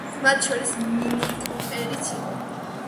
მათ შორის მინიკუპერიც იყო.